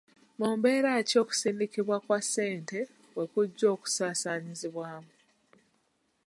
Mu mbeera ki okusindikibwa kwa ssente we kujja okusazibwamu?